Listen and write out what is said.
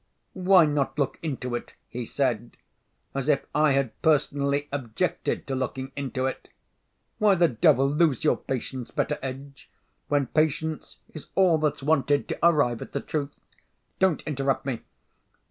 "Why not look into it?" he said, as if I had personally objected to looking into it. "Why the devil lose your patience, Betteredge, when patience is all that's wanted to arrive at the truth? Don't interrupt me.